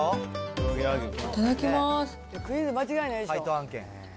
いただきます。